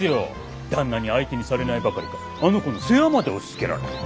旦那に相手にされないばかりかあの子の世話まで押し付けられて。